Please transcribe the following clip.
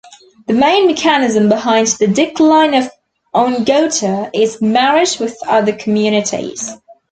The main mechanism behind the decline of Ongota is marriage with other communities.